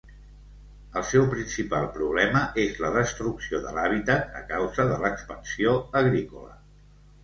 El seu principal problema és la destrucció de l'hàbitat a causa de l'expansió agrícola.